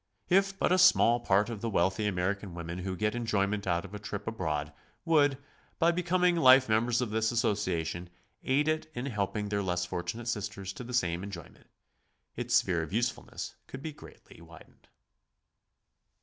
If but a small part of the wealthy American women who get enjoyment out of a trip abroad, would, by becoming life members of this Association, aid it in helping their less fortunate sisters to the same enjoyment, its sphere of usefulness could be greatly widened.